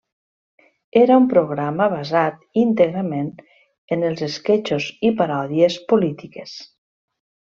Era un programa basat íntegrament en els esquetxos i paròdies polítiques.